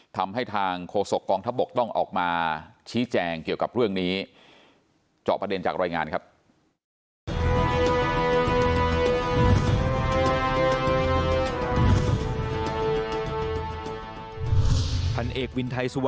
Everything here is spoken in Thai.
ทำให้ทางโคศกกองทัพบกต้องออกมาชี้แจงเกี่ยวกับเรื่องนี้